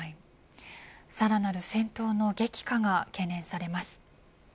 さらなる戦闘の激化が懸念されます。